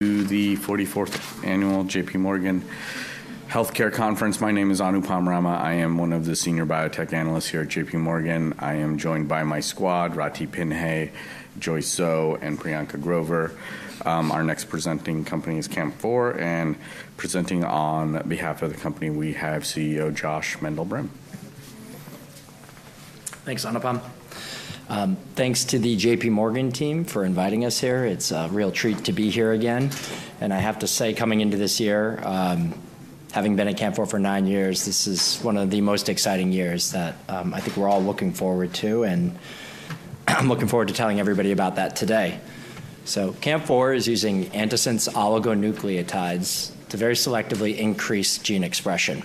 To the 44th Annual JPMorgan Healthcare Conference. My name is Anupam Rama. I am one of the senior biotech analysts here at JPMorgan. I am joined by my squad, Rati Pinhe, Joyce Zhou, and Priyanka Grover. Our next presenting company is Camp4, and presenting on behalf of the company, we have CEO Josh Mandel-Brehm. Thanks, Anupam. Thanks to the JPMorgan team for inviting us here. It's a real treat to be here again, and I have to say, coming into this year, having been at Camp4 for nine years, this is one of the most exciting years that I think we're all looking forward to, and I'm looking forward to telling everybody about that today, so Camp4 is using antisense oligonucleotides to very selectively increase gene expression,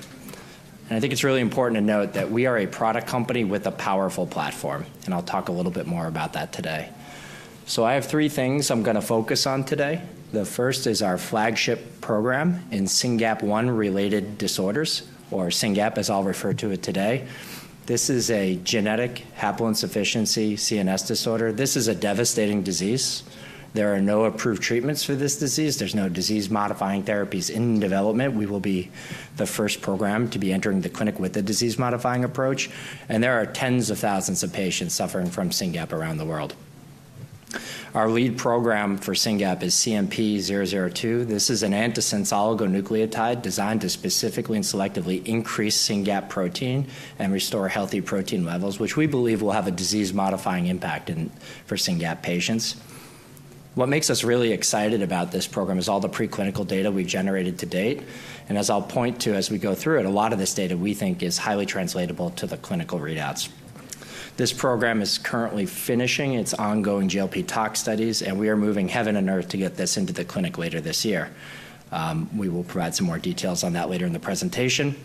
and I think it's really important to note that we are a product company with a powerful platform, and I'll talk a little bit more about that today, so I have three things I'm going to focus on today. The first is our flagship program in SYNGAP1-related disorders, or SYNGAP as I'll refer to it today. This is a genetic haploinsufficiency CNS disorder. This is a devastating disease. There are no approved treatments for this disease. There's no disease-modifying therapies in development. We will be the first program to be entering the clinic with a disease-modifying approach, and there are tens of thousands of patients suffering from SYNGAP around the world. Our lead program for SYNGAP is CMP-002. This is an antisense oligonucleotide designed to specifically and selectively increase SynGAP protein and restore healthy protein levels, which we believe will have a disease-modifying impact for SYNGAP patients. What makes us really excited about this program is all the preclinical data we've generated to date, and as I'll point to as we go through it, a lot of this data we think is highly translatable to the clinical readouts. This program is currently finishing its ongoing GLP-tox studies, and we are moving heaven and earth to get this into the clinic later this year. We will provide some more details on that later in the presentation.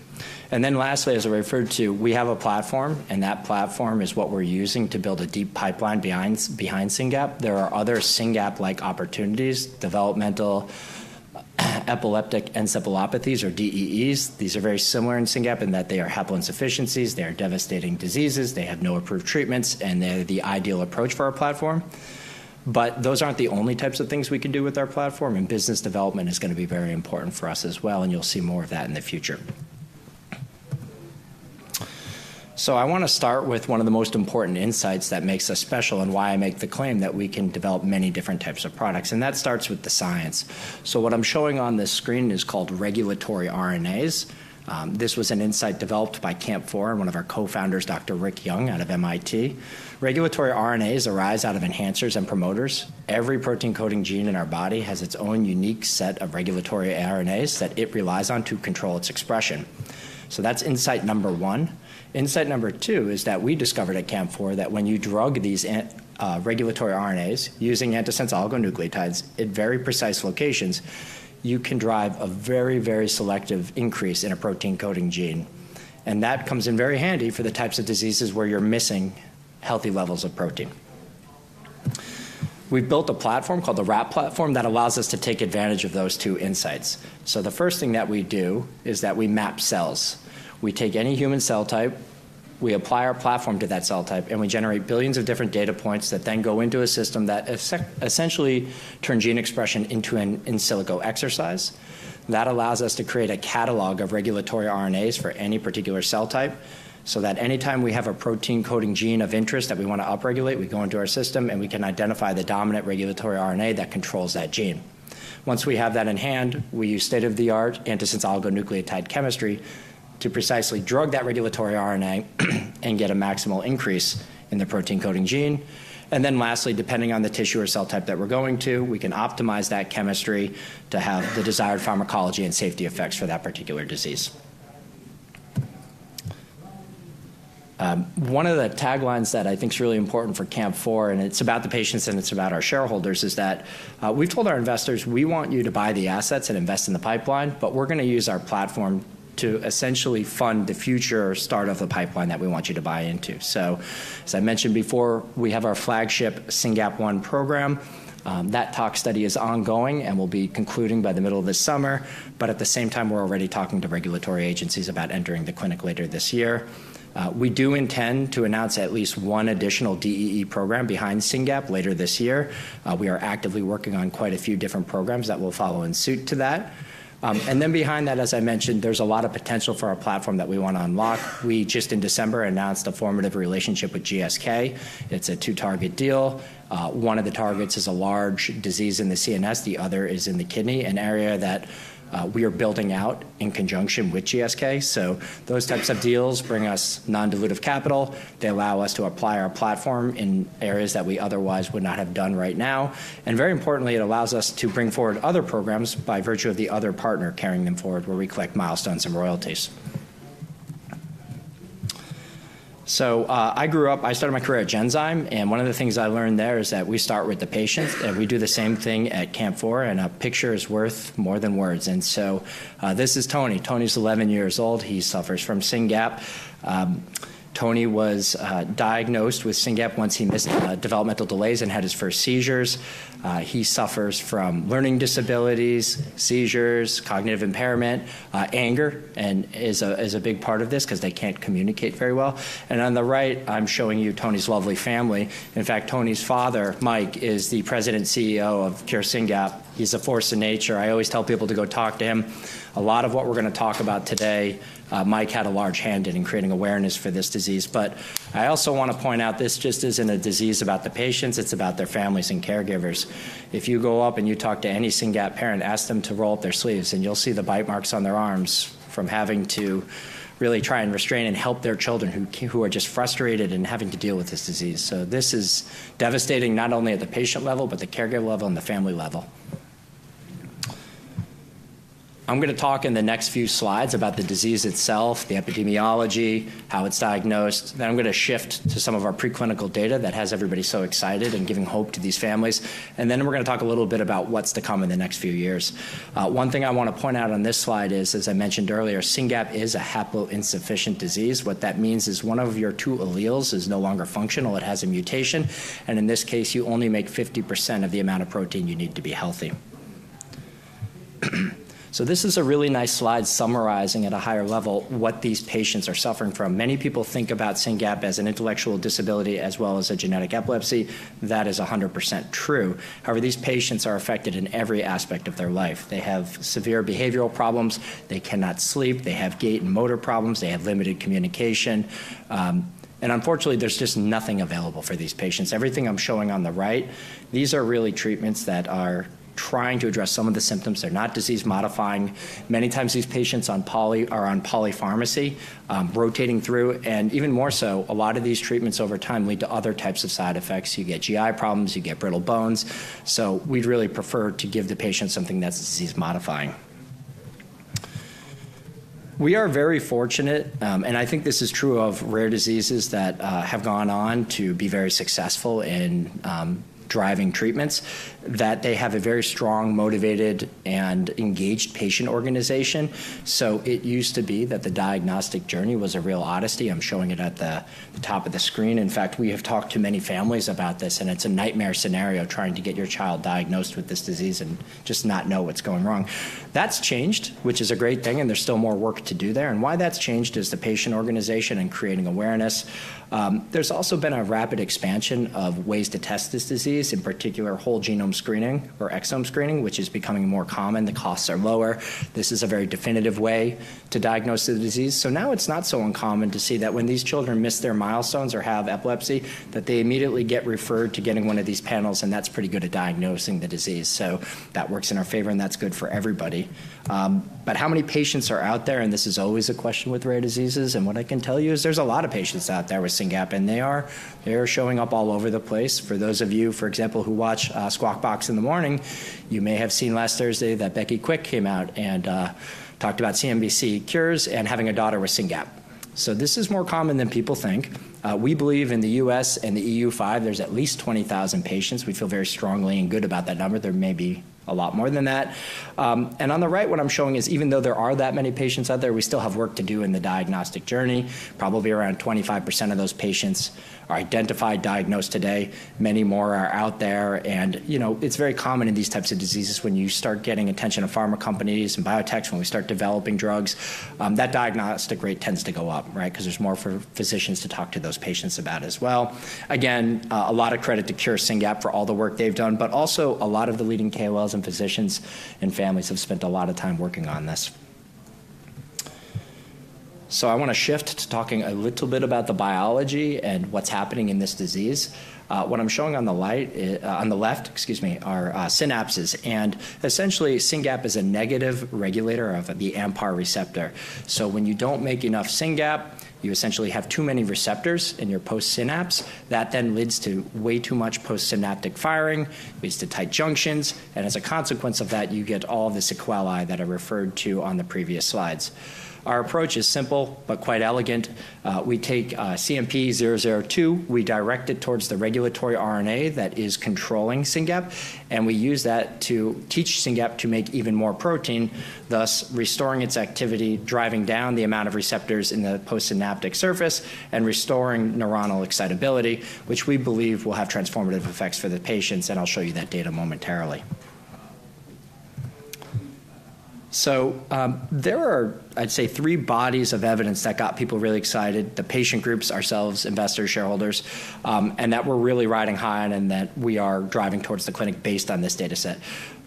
And then lastly, as I referred to, we have a platform, and that platform is what we're using to build a deep pipeline behind SYNGAP. There are other SYNGAP-like opportunities: developmental epileptic encephalopathies, or DEEs. These are very similar in SYNGAP in that they are haploinsufficiencies, they are devastating diseases, they have no approved treatments, and they're the ideal approach for our platform. But those aren't the only types of things we can do with our platform, and business development is going to be very important for us as well, and you'll see more of that in the future. So I want to start with one of the most important insights that makes us special and why I make the claim that we can develop many different types of products, and that starts with the science. So what I'm showing on this screen is called regulatory RNAs. This was an insight developed by Camp4 and one of our co-founders, Dr. Rick Young out of MIT. Regulatory RNAs arise out of enhancers and promoters. Every protein-coding gene in our body has its own unique set of regulatory RNAs that it relies on to control its expression. So that's insight number one. Insight number two is that we discovered at Camp4 that when you drug these regulatory RNAs using antisense oligonucleotides at very precise locations, you can drive a very, very selective increase in a protein-coding gene, and that comes in very handy for the types of diseases where you're missing healthy levels of protein. We've built a platform called the RAP platform that allows us to take advantage of those two insights. So the first thing that we do is that we map cells. We take any human cell type, we apply our platform to that cell type, and we generate billions of different data points that then go into a system that essentially turns gene expression into an in silico exercise. That allows us to create a catalog of regulatory RNAs for any particular cell type so that anytime we have a protein-coding gene of interest that we want to upregulate, we go into our system and we can identify the dominant regulatory RNA that controls that gene. Once we have that in hand, we use state-of-the-art antisense oligonucleotide chemistry to precisely drug that regulatory RNA and get a maximal increase in the protein-coding gene. And then lastly, depending on the tissue or cell type that we're going to, we can optimize that chemistry to have the desired pharmacology and safety effects for that particular disease. One of the taglines that I think is really important for Camp4, and it's about the patients and it's about our shareholders, is that we've told our investors, "We want you to buy the assets and invest in the pipeline, but we're going to use our platform to essentially fund the future start of the pipeline that we want you to buy into." So as I mentioned before, we have our flagship SYNGAP1 program. That tox study is ongoing and will be concluding by the middle of this summer, but at the same time, we're already talking to regulatory agencies about entering the clinic later this year. We do intend to announce at least one additional DEE program behind SYNGAP later this year. We are actively working on quite a few different programs that will follow suit to that. And then behind that, as I mentioned, there's a lot of potential for our platform that we want to unlock. We just in December announced a formative relationship with GSK. It's a two-target deal. One of the targets is a large disease in the CNS. The other is in the kidney, an area that we are building out in conjunction with GSK. So those types of deals bring us non-dilutive capital. They allow us to apply our platform in areas that we otherwise would not have done right now. And very importantly, it allows us to bring forward other programs by virtue of the other partner carrying them forward where we collect milestones and royalties. I grew up. I started my career at Genzyme, and one of the things I learned there is that we start with the patient and we do the same thing at Camp4, and a picture is worth more than words. This is Tony. Tony is 11 years old. He suffers from SYNGAP. Tony was diagnosed with SYNGAP once he missed developmental delays and had his first seizures. He suffers from learning disabilities, seizures, cognitive impairment, anger, and is a big part of this because they can't communicate very well. On the right, I'm showing you Tony's lovely family. In fact, Tony's father, Mike Graglia, is the President and CEO of Cure SYNGAP1. He's a force of nature. I always tell people to go talk to him. A lot of what we're going to talk about today. Mike had a large hand in creating awareness for this disease, but I also want to point out this just isn't a disease about the patients. It's about their families and caregivers. If you go up and you talk to any SYNGAP parent, ask them to roll up their sleeves, and you'll see the bite marks on their arms from having to really try and restrain and help their children who are just frustrated and having to deal with this disease. So this is devastating not only at the patient level, but the caregiver level and the family level. I'm going to talk in the next few slides about the disease itself, the epidemiology, how it's diagnosed, then I'm going to shift to some of our preclinical data that has everybody so excited and giving hope to these families. And then we're going to talk a little bit about what's to come in the next few years. One thing I want to point out on this slide is, as I mentioned earlier, SYNGAP is a haploinsufficient disease. What that means is one of your two alleles is no longer functional. It has a mutation, and in this case, you only make 50% of the amount of protein you need to be healthy. So this is a really nice slide summarizing at a higher level what these patients are suffering from. Many people think about SYNGAP as an intellectual disability as well as a genetic epilepsy. That is 100% true. However, these patients are affected in every aspect of their life. They have severe behavioral problems. They cannot sleep. They have gait and motor problems. They have limited communication. And unfortunately, there's just nothing available for these patients. Everything I'm showing on the right, these are really treatments that are trying to address some of the symptoms. They're not disease-modifying. Many times these patients are on polypharmacy, rotating through, and even more so, a lot of these treatments over time lead to other types of side effects. You get GI problems. You get brittle bones. So we'd really prefer to give the patient something that's disease-modifying. We are very fortunate, and I think this is true of rare diseases that have gone on to be very successful in driving treatments, that they have a very strong, motivated, and engaged patient organization. So it used to be that the diagnostic journey was a real oddity. I'm showing it at the top of the screen. In fact, we have talked to many families about this, and it's a nightmare scenario trying to get your child diagnosed with this disease and just not know what's going wrong. That's changed, which is a great thing, and there's still more work to do there, and why that's changed is the patient organization and creating awareness. There's also been a rapid expansion of ways to test this disease, in particular whole genome screening or exome screening, which is becoming more common. The costs are lower. This is a very definitive way to diagnose the disease, so now it's not so uncommon to see that when these children miss their milestones or have epilepsy, that they immediately get referred to getting one of these panels, and that's pretty good at diagnosing the disease, so that works in our favor, and that's good for everybody. But how many patients are out there? And this is always a question with rare diseases, and what I can tell you is there's a lot of patients out there with SYNGAP, and they are showing up all over the place. For those of you, for example, who watch Squawk Box in the morning, you may have seen last Thursday that Becky Quick came out and talked about CNBC Cures and having a daughter with SYNGAP. So this is more common than people think. We believe in the U.S. and the EU5, there's at least 20,000 patients. We feel very strongly and good about that number. There may be a lot more than that. And on the right, what I'm showing is even though there are that many patients out there, we still have work to do in the diagnostic journey. Probably around 25% of those patients are identified, diagnosed today. Many more are out there, and it's very common in these types of diseases when you start getting attention of pharma companies and biotechs, when we start developing drugs, that diagnostic rate tends to go up, right, because there's more for physicians to talk to those patients about as well. Again, a lot of credit to Cure SYNGAP for all the work they've done, but also a lot of the leading KOLs and physicians and families have spent a lot of time working on this. So I want to shift to talking a little bit about the biology and what's happening in this disease. What I'm showing on the left, excuse me, are synapses, and essentially SYNGAP is a negative regulator of the AMPA receptor. So when you don't make enough SYNGAP, you essentially have too many receptors in your post-synapse. That then leads to way too much post-synaptic firing, leads to tight junctions, and as a consequence of that, you get all this sequelae that I referred to on the previous slides. Our approach is simple but quite elegant. We take CMP-002. We direct it towards the regulatory RNA that is controlling SYNGAP, and we use that to teach SYNGAP to make even more protein, thus restoring its activity, driving down the amount of receptors in the post-synaptic surface, and restoring neuronal excitability, which we believe will have transformative effects for the patients, and I'll show you that data momentarily. So there are, I'd say, three bodies of evidence that got people really excited: the patient groups, ourselves, investors, shareholders, and that we're really riding high on and that we are driving towards the clinic based on this data set.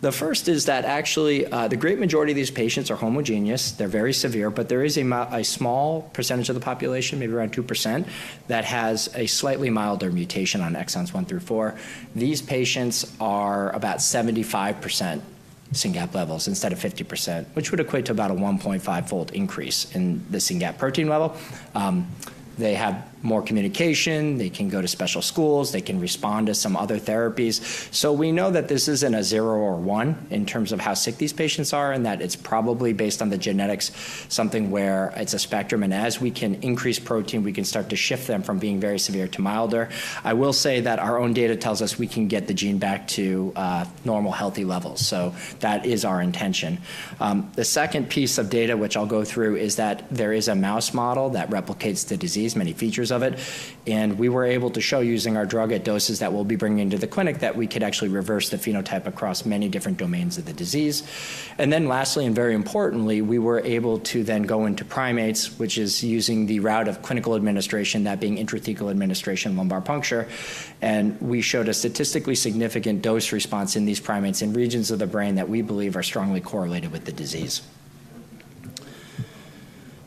The first is that actually the great majority of these patients are homogeneous. They're very severe, but there is a small percentage of the population, maybe around 2%, that has a slightly milder mutation on exons 1 through 4. These patients are about 75% SynGAP levels instead of 50%, which would equate to about a 1.5-fold increase in the SYNGAP protein level. They have more communication. They can go to special schools. They can respond to some other therapies. So we know that this isn't a zero or one in terms of how sick these patients are and that it's probably based on the genetics, something where it's a spectrum, and as we can increase protein, we can start to shift them from being very severe to milder. I will say that our own data tells us we can get the gene back to normal healthy levels. So that is our intention. The second piece of data which I'll go through is that there is a mouse model that replicates the disease, many features of it, and we were able to show using our drug at doses that we'll be bringing into the clinic that we could actually reverse the phenotype across many different domains of the disease. And then lastly, and very importantly, we were able to then go into primates, which is using the route of clinical administration, that being intrathecal administration, lumbar puncture, and we showed a statistically significant dose response in these primates in regions of the brain that we believe are strongly correlated with the disease,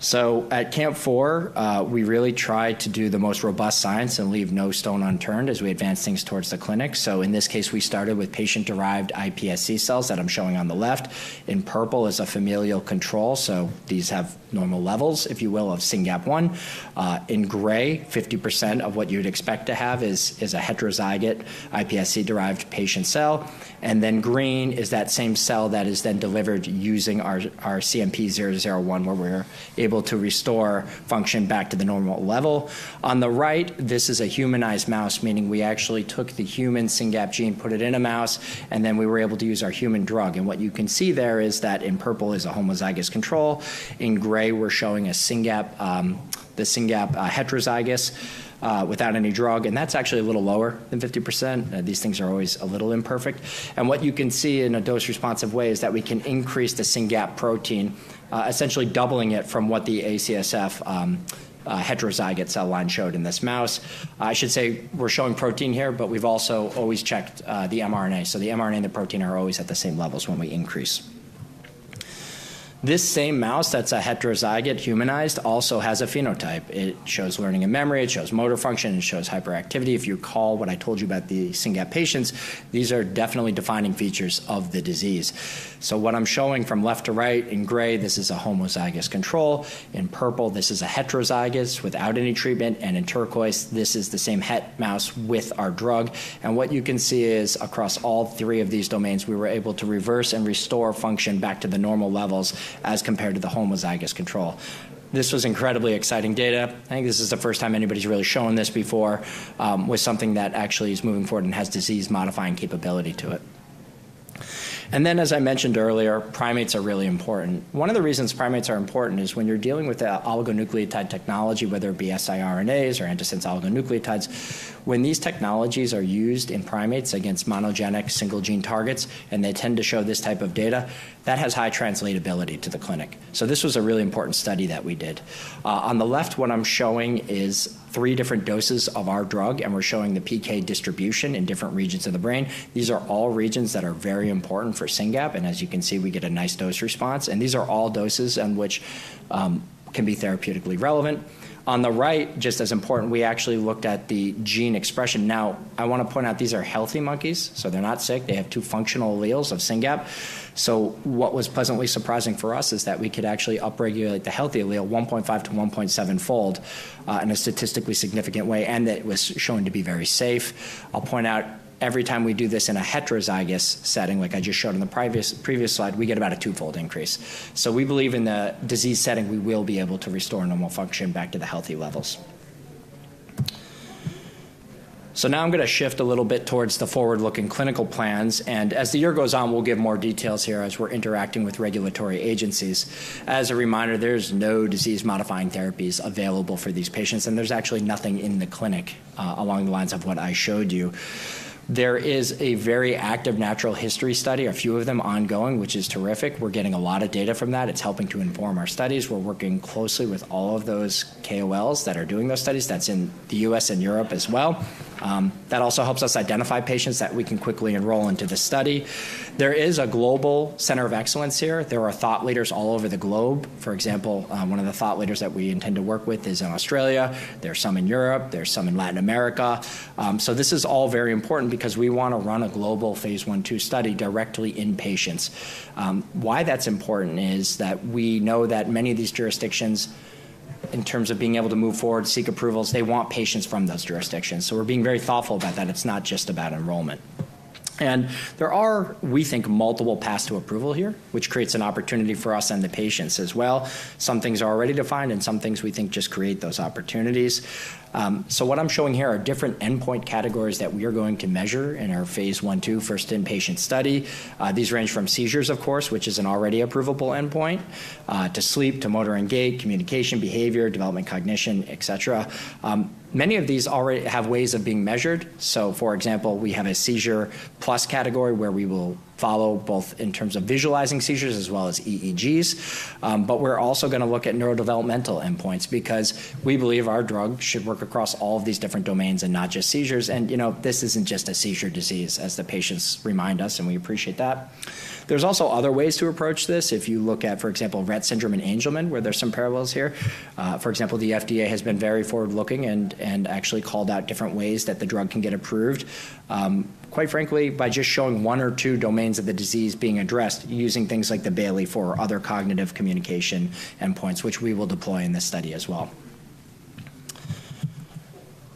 so at Camp4, we really try to do the most robust science and leave no stone unturned as we advance things towards the clinic, so in this case, we started with patient-derived iPSC cells that I'm showing on the left. In purple is a familial control, so these have normal levels, if you will, of SYNGAP1. In gray, 50% of what you'd expect to have is a heterozygous iPSC-derived patient cell, and then green is that same cell that is then delivered using our CMP-001 where we're able to restore function back to the normal level. On the right, this is a humanized mouse, meaning we actually took the human SYNGAP1 gene, put it in a mouse, and then we were able to use our human drug. And what you can see there is that in purple is a homozygous control. In gray, we're showing the SYNGAP1 heterozygous without any drug, and that's actually a little lower than 50%. These things are always a little imperfect. And what you can see in a dose-responsive way is that we can increase the SYNGAP protein, essentially doubling it from what the ACSF heterozygous cell line showed in this mouse. I should say we're showing protein here, but we've also always checked the mRNA. So the mRNA and the protein are always at the same levels when we increase. This same mouse that's a heterozygous humanized also has a phenotype. It shows learning and memory. It shows motor function. It shows hyperactivity. If you recall what I told you about the SYNGAP patients, these are definitely defining features of the disease, so what I'm showing from left to right in gray, this is a homozygous control. In purple, this is a heterozygous without any treatment, and in turquoise, this is the same mouse with our drug, and what you can see is across all three of these domains, we were able to reverse and restore function back to the normal levels as compared to the homozygous control. This was incredibly exciting data. I think this is the first time anybody's really shown this before with something that actually is moving forward and has disease-modifying capability to it, and then, as I mentioned earlier, primates are really important. One of the reasons primates are important is when you're dealing with oligonucleotide technology, whether it be siRNAs or antisense oligonucleotides, when these technologies are used in primates against monogenic single-gene targets, and they tend to show this type of data, that has high translatability to the clinic. So this was a really important study that we did. On the left, what I'm showing is three different doses of our drug, and we're showing the PK distribution in different regions of the brain. These are all regions that are very important for SYNGAP, and as you can see, we get a nice dose response, and these are all doses in which can be therapeutically relevant. On the right, just as important, we actually looked at the gene expression. Now, I want to point out these are healthy monkeys, so they're not sick. They have two functional alleles of SYNGAP. So what was pleasantly surprising for us is that we could actually upregulate the healthy allele 1.5-1.7-fold in a statistically significant way, and that it was shown to be very safe. I'll point out every time we do this in a heterozygous setting, like I just showed on the previous slide, we get about a twofold increase. So we believe in the disease setting, we will be able to restore normal function back to the healthy levels. So now I'm going to shift a little bit towards the forward-looking clinical plans, and as the year goes on, we'll give more details here as we're interacting with regulatory agencies. As a reminder, there's no disease-modifying therapies available for these patients, and there's actually nothing in the clinic along the lines of what I showed you. There is a very active natural history study, a few of them ongoing, which is terrific. We're getting a lot of data from that. It's helping to inform our studies. We're working closely with all of those KOLs that are doing those studies. That's in the U.S. and Europe as well. That also helps us identify patients that we can quickly enroll into the study. There is a global center of excellence here. There are thought leaders all over the globe. For example, one of the thought leaders that we intend to work with is in Australia. There's some in Europe. There's some in Latin America. So this is all very important because we want to run a global phase one-two study directly in patients. Why that's important is that we know that many of these jurisdictions, in terms of being able to move forward, seek approvals, they want patients from those jurisdictions. So we're being very thoughtful about that. It's not just about enrollment. And there are, we think, multiple paths to approval here, which creates an opportunity for us and the patients as well. Some things are already defined, and some things we think just create those opportunities. So what I'm showing here are different endpoint categories that we are going to measure in our phase one-two, first-in-patient study. These range from seizures, of course, which is an already approvable endpoint, to sleep, to motor and gait, communication, behavior, development, cognition, etc. Many of these already have ways of being measured. For example, we have a seizure plus category where we will follow both in terms of visualizing seizures as well as EEGs, but we're also going to look at neurodevelopmental endpoints because we believe our drug should work across all of these different domains and not just seizures. This isn't just a seizure disease, as the patients remind us, and we appreciate that. There's also other ways to approach this. If you look at, for example, Rett syndrome and Angelman, where there's some parallels here. For example, the FDA has been very forward-looking and actually called out different ways that the drug can get approved, quite frankly, by just showing one or two domains of the disease being addressed, using things like the Bayley for other cognitive communication endpoints, which we will deploy in this study as well.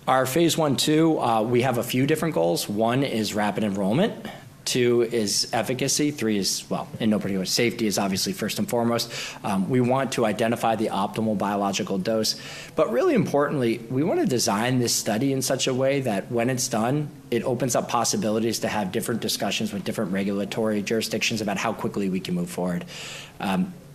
Our phase I-II. We have a few different goals. One is rapid enrollment. Two is efficacy. Three is, well, in no particular way, safety is obviously first and foremost. We want to identify the optimal biological dose. But really importantly, we want to design this study in such a way that when it's done, it opens up possibilities to have different discussions with different regulatory jurisdictions about how quickly we can move forward.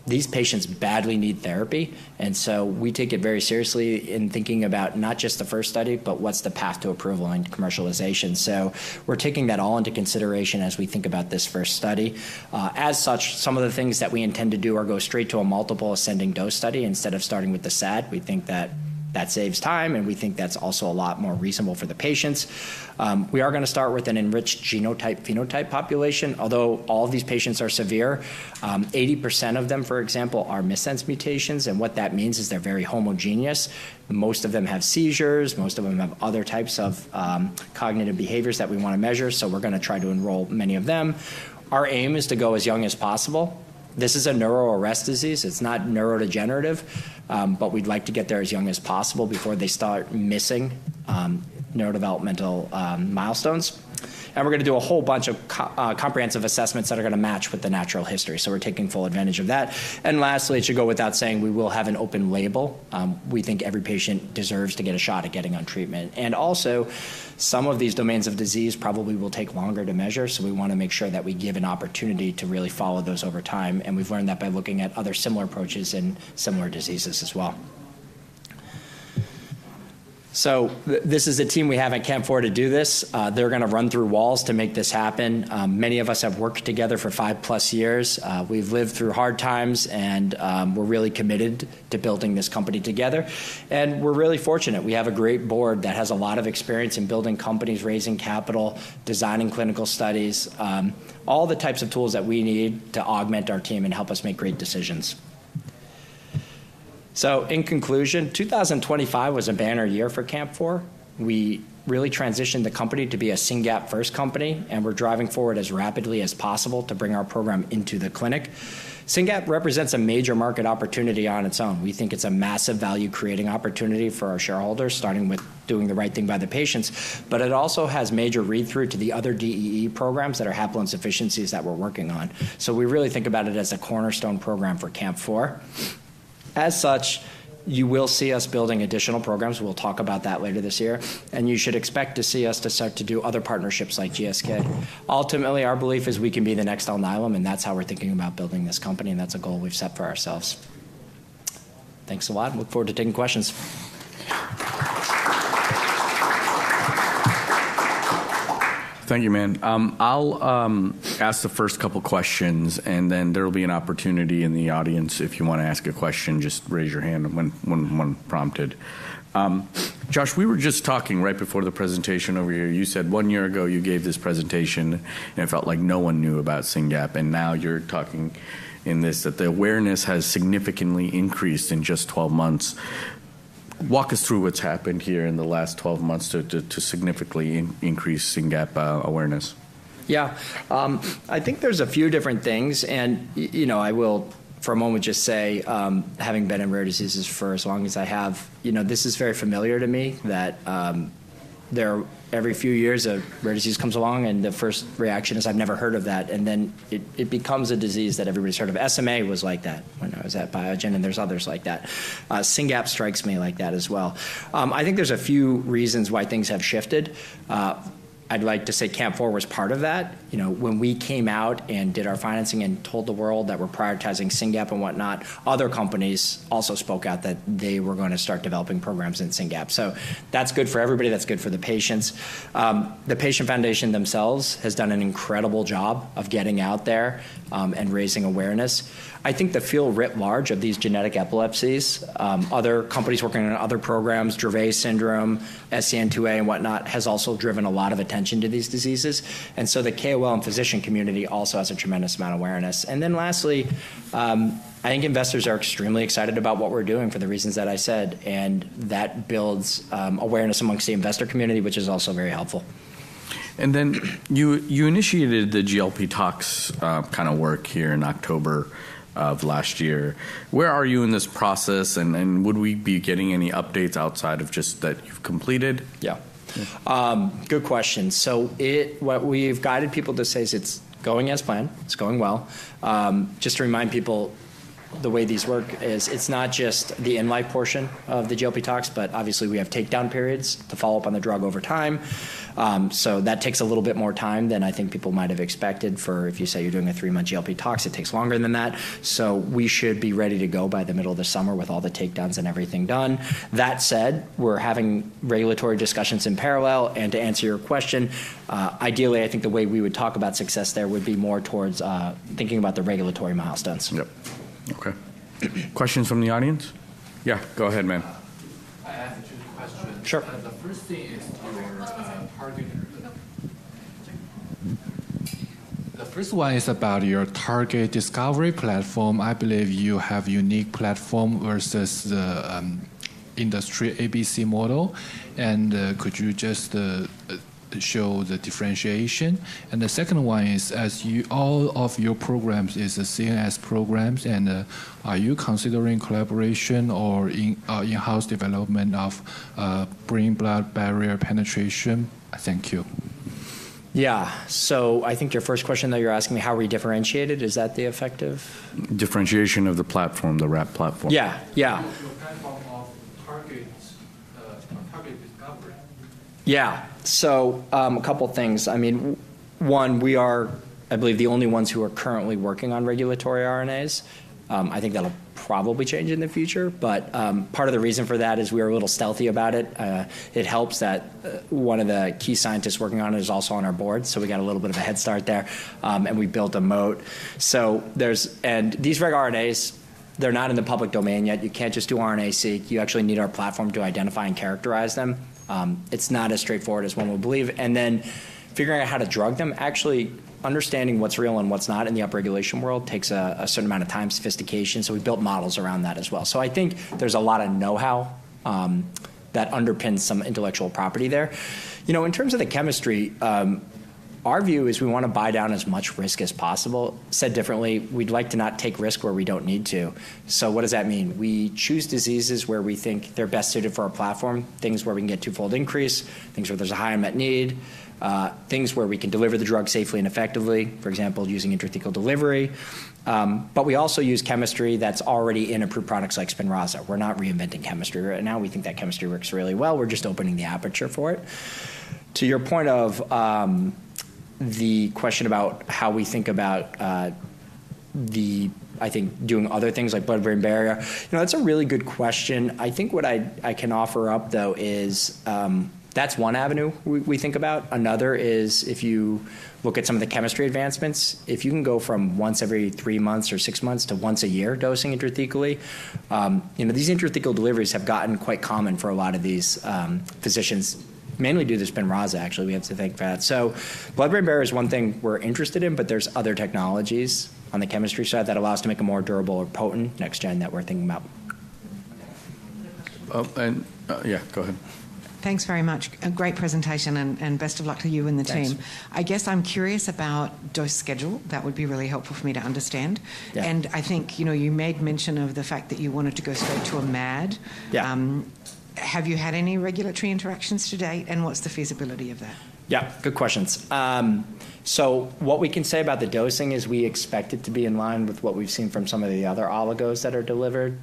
These patients badly need therapy, and so we take it very seriously in thinking about not just the first study, but what's the path to approval and commercialization. So we're taking that all into consideration as we think about this first study. As such, some of the things that we intend to do are go straight to a multiple ascending dose study instead of starting with the SAD. We think that that saves time, and we think that's also a lot more reasonable for the patients. We are going to start with an enriched genotype-phenotype population. Although all of these patients are severe, 80% of them, for example, are missense mutations, and what that means is they're very homogeneous. Most of them have seizures. Most of them have other types of cognitive behaviors that we want to measure, so we're going to try to enroll many of them. Our aim is to go as young as possible. This is a neuro-arrest disease. It's not neurodegenerative, but we'd like to get there as young as possible before they start missing neurodevelopmental milestones, and we're going to do a whole bunch of comprehensive assessments that are going to match with the natural history, so we're taking full advantage of that, and lastly, it should go without saying, we will have an open label. We think every patient deserves to get a shot at getting on treatment. And also, some of these domains of disease probably will take longer to measure, so we want to make sure that we give an opportunity to really follow those over time, and we've learned that by looking at other similar approaches in similar diseases as well. So this is a team we have at Camp4 to do this. They're going to run through walls to make this happen. Many of us have worked together for five-plus years. We've lived through hard times, and we're really committed to building this company together. And we're really fortunate. We have a great board that has a lot of experience in building companies, raising capital, designing clinical studies, all the types of tools that we need to augment our team and help us make great decisions. So in conclusion, 2025 was a banner year for Camp4. We really transitioned the company to be a SYNGAP-first company, and we're driving forward as rapidly as possible to bring our program into the clinic. SYNGAP represents a major market opportunity on its own. We think it's a massive value-creating opportunity for our shareholders, starting with doing the right thing by the patients, but it also has major read-through to the other DEE programs that are haploinsufficiencies that we're working on. So we really think about it as a cornerstone program for Camp4. As such, you will see us building additional programs. We'll talk about that later this year, and you should expect to see us to start to do other partnerships like GSK. Ultimately, our belief is we can be the next Alnylam, and that's how we're thinking about building this company, and that's a goal we've set for ourselves. Thanks a lot. Look forward to taking questions. Thank you, man. I'll ask the first couple of questions, and then there'll be an opportunity in the audience. If you want to ask a question, just raise your hand when prompted. Josh, we were just talking right before the presentation over here. You said one year ago you gave this presentation, and it felt like no one knew about SYNGAP, and now you're talking in this that the awareness has significantly increased in just 12 months. Walk us through what's happened here in the last 12 months to significantly increase SYNGAP awareness. Yeah. I think there's a few different things, and I will, for a moment, just say, having been in rare diseases for as long as I have, this is very familiar to me that every few years, a rare disease comes along, and the first reaction is, "I've never heard of that." And then it becomes a disease that everybody's heard of. SMA was like that when I was at Biogen, and there's others like that. SYNGAP strikes me like that as well. I think there's a few reasons why things have shifted. I'd like to say Camp4 was part of that. When we came out and did our financing and told the world that we're prioritizing SYNGAP and whatnot, other companies also spoke out that they were going to start developing programs in SYNGAP. So that's good for everybody. That's good for the patients. The Patient Foundation themselves has done an incredible job of getting out there and raising awareness. I think the field writ large of these genetic epilepsies, other companies working on other programs, Dravet syndrome, SCN2A, and whatnot, has also driven a lot of attention to these diseases. And so the KOL and physician community also has a tremendous amount of awareness. And then lastly, I think investors are extremely excited about what we're doing for the reasons that I said, and that builds awareness amongst the investor community, which is also very helpful. And then you initiated the GLP-tox work here in October of last year. Where are you in this process, and would we be getting any updates outside of just that you've completed? Yeah. Good question. So what we've guided people to say is it's going as planned. It's going well. Just to remind people the way these work is it's not just the in-life portion of the GLP-tox, but obviously we have takedown periods to follow up on the drug over time. So that takes a little bit more time than I think people might have expected for if you say you're doing a three-month GLP-tox, it takes longer than that. So we should be ready to go by the middle of the summer with all the takedowns and everything done. That said, we're having regulatory discussions in parallel. And to answer your question, ideally, I think the way we would talk about success there would be more towards thinking about the regulatory milestones. Yep. Okay. Questions from the audience? Yeah, go ahead, man. I have two questions. Sure. The first thing is your target... The first one is about your target discovery platform. I believe you have a unique platform versus the industry ABC model. And could you just show the differentiation? And the second one is, as all of your programs are CNS programs, are you considering collaboration or in-house development of blood-brain barrier penetration? Thank you. Yeah, so I think your first question that you're asking me, how are we differentiated? Is that the effective? Differentiation of the platform, the RAP platform. Yeah, yeah. Your platform of target discovery. Yeah. So a couple of things. I mean, one, we are, I believe, the only ones who are currently working on regulatory RNAs. I think that'll probably change in the future, but part of the reason for that is we are a little stealthy about it. It helps that one of the key scientists working on it is also on our board, so we got a little bit of a head start there, and we built a moat. And these regRNAs, they're not in the public domain yet. You can't just do RNA-seq. You actually need our platform to identify and characterize them. It's not as straightforward as one would believe. And then figuring out how to drug them, actually understanding what's real and what's not in the upregulation world takes a certain amount of time, sophistication. So we built models around that as well. So I think there's a lot of know-how that underpins some intellectual property there. In terms of the chemistry, our view is we want to buy down as much risk as possible. Said differently, we'd like to not take risk where we don't need to. So what does that mean? We choose diseases where we think they're best suited for our platform, things where we can get twofold increase, things where there's a high unmet need, things where we can deliver the drug safely and effectively, for example, using intrathecal delivery. But we also use chemistry that's already in approved products like Spinraza. We're not reinventing chemistry right now. We think that chemistry works really well. We're just opening the aperture for it. To your point of the question about how we think about the, I think, doing other things like blood-brain barrier, that's a really good question. I think what I can offer up, though, is that's one avenue we think about. Another is if you look at some of the chemistry advancements, if you can go from once every three months or six months to once a year dosing intrathecally, these intrathecal deliveries have gotten quite common for a lot of these physicians. Mainly due to the Spinraza, actually. We have to think that. So blood-brain barrier is one thing we're interested in, but there's other technologies on the chemistry side that allow us to make a more durable or potent next-gen that we're thinking about. And yeah, go ahead. Thanks very much. A great presentation, and best of luck to you and the team. Thanks. I guess I'm curious about dose schedule. That would be really helpful for me to understand. Yeah. And I think you made mention of the fact that you wanted to go straight to a MAD. Yeah. Have you had any regulatory interactions to date, and what's the feasibility of that? Yeah, good questions. So what we can say about the dosing is we expect it to be in line with what we've seen from some of the other oligos that are delivered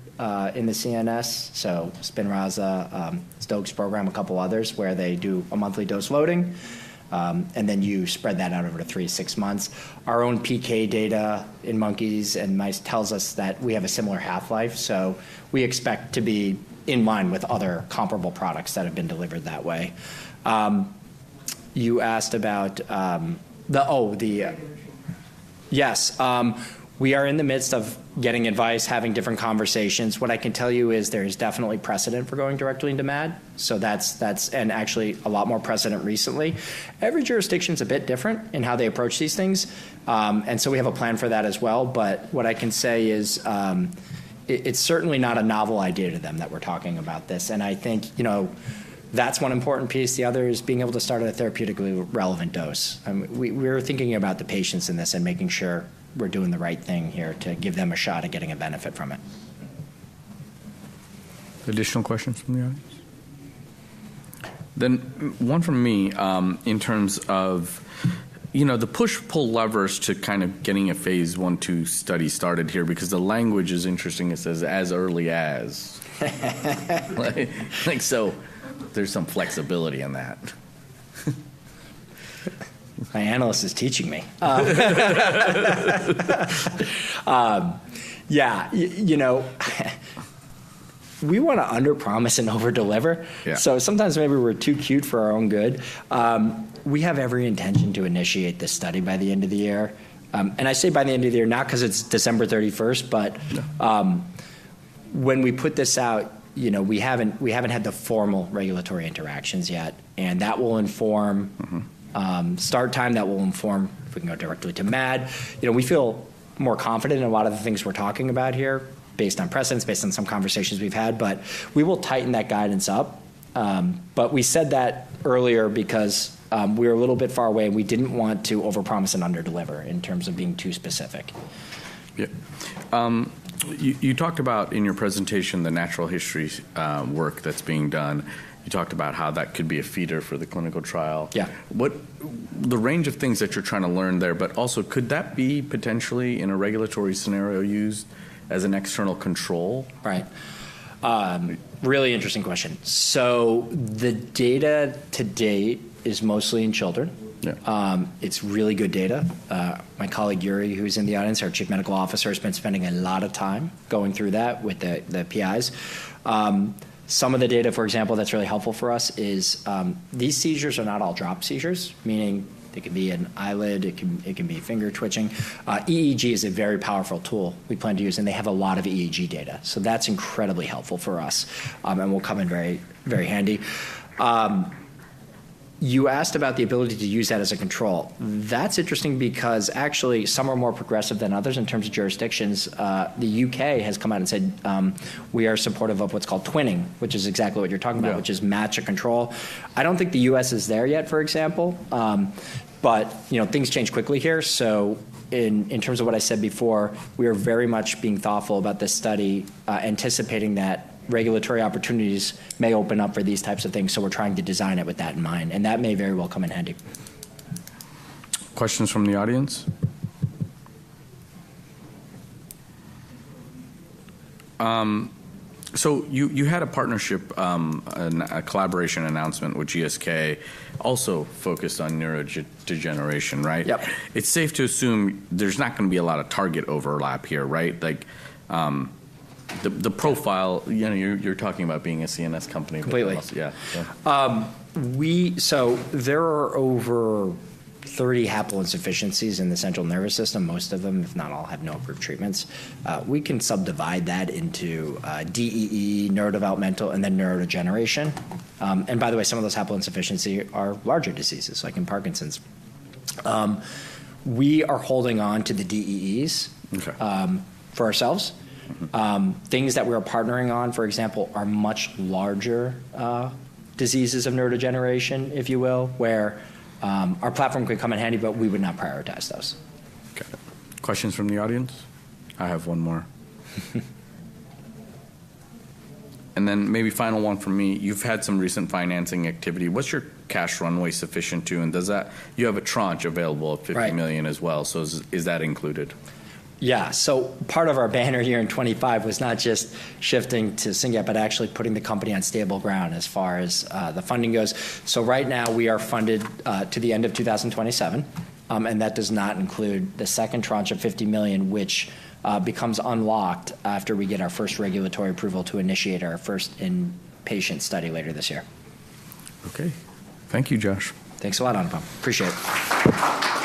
in the CNS, so Spinraza, Stoke's program, a couple others where they do a monthly dose loading, and then you spread that out over to 3 months-6 months. Our own PK data in monkeys and mice tells us that we have a similar half-life, so we expect to be in line with other comparable products that have been delivered that way. You asked about the, oh, the... Regulatory? Yes. We are in the midst of getting advice, having different conversations. What I can tell you is there is definitely precedent for going directly into MAD, so that's, and actually a lot more precedent recently. Every jurisdiction is a bit different in how they approach these things, and so we have a plan for that as well. But what I can say is it's certainly not a novel idea to them that we're talking about this, and I think that's one important piece. The other is being able to start at a therapeutically relevant dose. We're thinking about the patients in this and making sure we're doing the right thing here to give them a shot at getting a benefit from it. Additional questions from the audience? Then one from me in terms of the push-pull levers to kind of getting a phase I-II study started here, because the language is interesting. It says, "As early as." So there's some flexibility in that. My analyst is teaching me. Yeah. We want to underpromise and overdeliver, so sometimes maybe we're too cute for our own good. We have every intention to initiate this study by the end of the year, and I say by the end of the year, not because it's December 31st, but when we put this out, we haven't had the formal regulatory interactions yet, and that will inform start time. That will inform if we can go directly to MAD. We feel more confident in a lot of the things we're talking about here based on precedent, based on some conversations we've had, but we will tighten that guidance up, but we said that earlier because we were a little bit far away, and we didn't want to overpromise and underdeliver in terms of being too specific. Yeah. You talked about in your presentation the natural history work that's being done. You talked about how that could be a feeder for the clinical trial. Yeah. The range of things that you're trying to learn there, but also, could that be potentially, in a regulatory scenario, used as an external control? Right. Really interesting question. So the data to date is mostly in children. It's really good data. My colleague Yuri Maricich, who's in the audience, our Chief Medical Officer, has been spending a lot of time going through that with the PIs. Some of the data, for example, that's really helpful for us is these seizures are not all drop seizures, meaning they can be an eyelid, it can be finger twitching. EEG is a very powerful tool we plan to use, and they have a lot of EEG data. So that's incredibly helpful for us, and will come in very handy. You asked about the ability to use that as a control. That's interesting because actually some are more progressive than others in terms of jurisdictions. The U.K. has come out and said, "We are supportive of what's called twinning," which is exactly what you're talking about, which is matching a control. I don't think the U.S. is there yet, for example, but things change quickly here. So in terms of what I said before, we are very much being thoughtful about this study, anticipating that regulatory opportunities may open up for these types of things. So we're trying to design it with that in mind, and that may very well come in handy. Questions from the audience? So you had a partnership, a collaboration announcement with GSK also focused on neurodegeneration, right? Yep. It's safe to assume there's not going to be a lot of target overlap here, right? The profile, you're talking about being a CNS company. Completely. Yeah. There are over 30 haploinsufficiencies in the central nervous system. Most of them, if not all, have no approved treatments. We can subdivide that into DEE, neurodevelopmental, and then neurodegeneration. And by the way, some of those haploinsufficiencies are larger diseases, like in Parkinson's. We are holding on to the DEEs for ourselves. Things that we are partnering on, for example, are much larger diseases of neurodegeneration, if you will, where our platform could come in handy, but we would not prioritize those. Got it. Questions from the audience? I have one more, and then maybe final one from me. You've had some recent financing activity. What's your cash runway sufficient to, and does that, you have a tranche available of $50 million as well, so is that included? Yeah. So part of our banner year in 2025 was not just shifting to SYNGAP, but actually putting the company on stable ground as far as the funding goes. So right now we are funded to the end of 2027, and that does not include the second tranche of $50 million, which becomes unlocked after we get our first regulatory approval to initiate our first-in-human study later this year. Okay. Thank you, Josh. Thanks a lot, Anupam. Appreciate it.